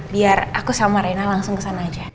biar aku sama reina langsung kesana aja